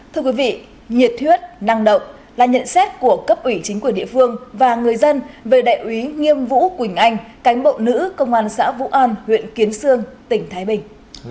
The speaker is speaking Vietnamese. thưa quý vị nhiệt huyết năng động là nhận xét của cấp ủy chính quyền địa phương và người dân về đại úy nghiêm vũ quỳnh anh cán bộ nữ công an xã vũ an huyện kiến sương tỉnh thái bình